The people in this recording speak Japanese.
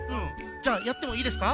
じゃあやってもいいですか？